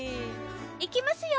いきますよ。